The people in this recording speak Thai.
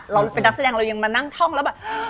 เราเป็นนักแสดงเรายังมานั่งท่องแล้วแบบ